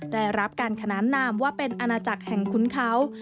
ได้รับการขนานนามว่าเป็นอาณาจักรแห่งคุ้นเขา